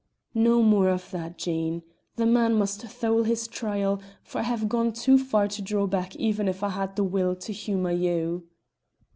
"No more of that, Jean; the man must thole his trial, for I have gone too far to draw back even if I had the will to humour you."